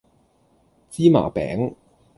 芝麻餅